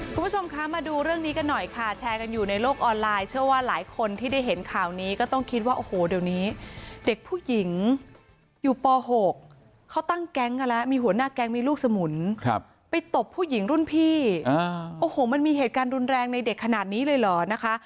คุณผู้ชมคะมาดูเรื่องนี้กันหน่อยค่ะแชร์กันอยู่ในโลกออนไลน์เชื่อว่าหลายคนที่ได้เห็นข่าวนี้ก็ต้องคิดว่าโอ้โหเดี๋ยวนี้เด็กผู้หญิงอยู่ป๖เขาตั้งแก๊งกันแล้วมีหัวหน้าแก๊งมีลูกสมุนไปตบผู้หญิงรุ่นพี่โอ้โหมันมีเหตุการณ์รุนแรงในเด็กขนาดนี้เลยเหรอนะคะ